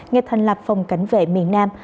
ngay thành lập phòng cảnh vệ miền nam